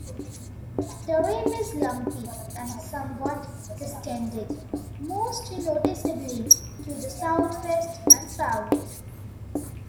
The rim is lumpy and somewhat distended, most noticeably to the southwest and south.